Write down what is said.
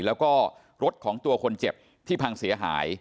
แล้วก็รถของตัวคนเจ็บที่พังเสียหาย